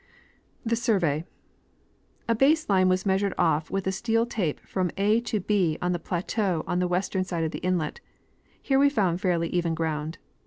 The Survey.* A base hue was measured off with a steel tape fr'om A to B on the plateau on the western side of the inlet ; here we found fairly even ground.